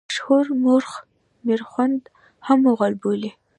مشهور مورخ میرخوند هم مغول بولي.